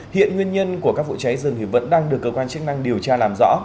hiện nguyên nhân của các vụ cháy rừng vẫn đang được cơ quan chức năng điều tra làm rõ